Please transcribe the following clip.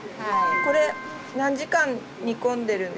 これ何時間煮込んでるんですか？